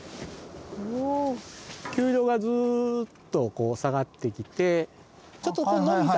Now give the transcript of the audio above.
丘陵がずっとこう下がってきてちょっとこうのびた。